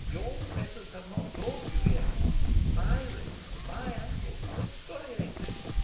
Your fetters have not galled you yet. MY wrists, MY ankles, are excoriated.